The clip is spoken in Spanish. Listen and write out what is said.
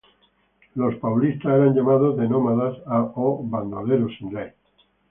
Los paulistas eran llamados de "nómadas", o "bandoleros sin ley".